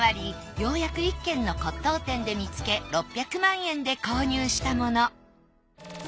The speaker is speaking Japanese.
ようやく１軒の骨董店で見つけ６００万円で購入したもの。